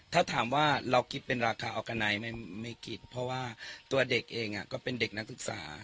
ถ้าถามว่าเราคิดเป็นราคาออร์กาไนท์ไม่คิดเพราะว่าตัวเด็กเองก็เป็นเด็กนักศึกษา